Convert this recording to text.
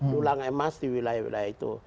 tulang emas di wilayah wilayah itu